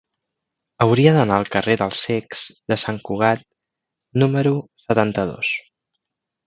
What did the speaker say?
Hauria d'anar al carrer dels Cecs de Sant Cugat número setanta-dos.